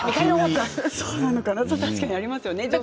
確かにありますよね。